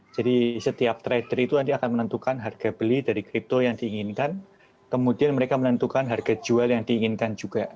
jadi setiap trader itu nanti akan menentukan harga beli dari kripto yang diinginkan kemudian mereka menentukan harga jual yang diinginkan juga